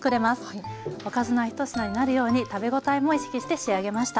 おかずの１品になるように食べ応えも意識して仕上げました。